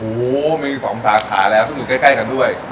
โอ้โหมี๒สาขาแล้วซึ่งอยู่ใกล้กันด้วย